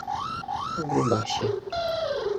Po grubasie.